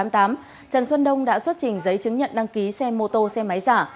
trần xuân đông đã xuất trình giấy chứng nhận đăng ký xe mô tô xe máy giả